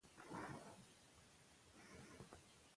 که لیک وي نو اړیکه نه پرې کیږي.